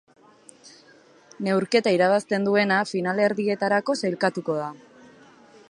Neurketa irabazten duena finalerdietarako sailkatuko da.